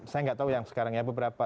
saya nggak tahu yang sekarang ya beberapa